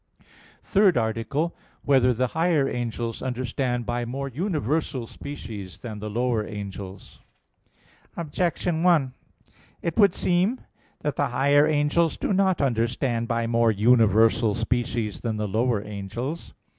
_______________________ THIRD ARTICLE [I, Q. 55, Art. 3] Whether the Higher Angels Understand by More Universal Species Than the Lower Angels? Objection 1: It would seem that the higher angels do not understand by more universal species than the lower angels.